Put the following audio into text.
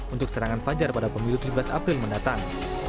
untuk serangan fajar pada pemilu tujuh belas april mendatang